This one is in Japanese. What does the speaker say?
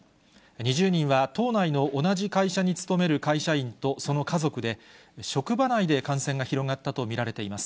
２０人は島内の同じ会社に勤める会社員とその家族で、職場内で感染が広がったと見られています。